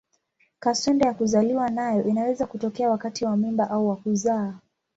Kaswende ya kuzaliwa nayo inaweza kutokea wakati wa mimba au wa kuzaa.